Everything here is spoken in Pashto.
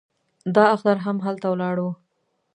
دا اختر هم هلته ولاړو.